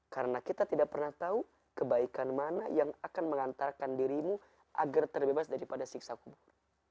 karena kita tidak pernah tahu kebaikan mana yang akan mengantarkan dirimu agar terbebas daripada siksa kubur